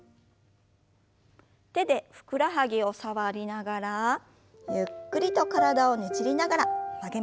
手でふくらはぎを触りながらゆっくりと体をねじりながら曲げましょう。